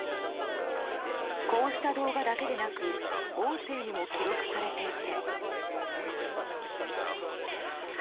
こうした動画だけでなく音声にも記録されていて。